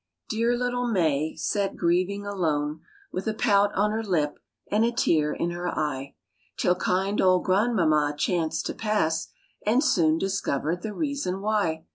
Dear little May sat grieving alone, With a pout on her lip and a tear in her eye, Till kind old grandmamma chanced to pass, And soon discovered the reason why.